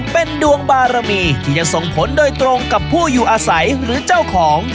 เป็นดวงบารมีที่จะส่งผลโดยตรงกับผู้อยู่อาศัยหรือเจ้าของ